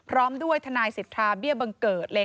พร้อมด้วยทนายศิษฐาเบี้ยเบิ่งเกิด